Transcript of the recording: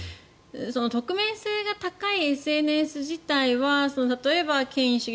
匿名性が高いＳＮＳ自体は例えば、権威主義